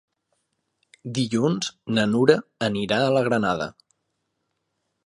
Dilluns na Nura anirà a la Granada.